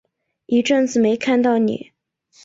一阵子没看到妳